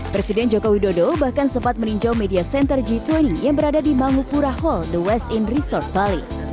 presiden jokowi dodo bahkan sempat meninjau media center g dua puluh yang berada di mangupura hall the west in resort bali